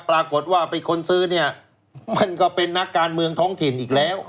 ปรากฏว่าไอ้คนซื้อเนี่ยมันก็เป็นนักการเมืองท้องถิ่นอีกแล้ว